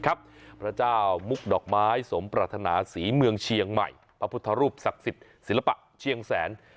พระเจ้ามุกดอกไม้สมปรารถนาศรีเมืองเชียงใหม่พระพุทธรูปศักดิ์สิทธิ์ศิลปะเชียงแสน